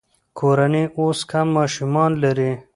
کورنۍ اوس کم ماشومان لري.